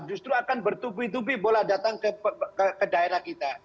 justru akan bertubi tubi bola datang ke daerah kita